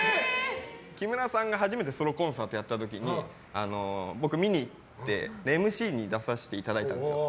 木村さんが初めてソロコンサートをやった時に僕、見に行ってＭＣに出させていただいたんです。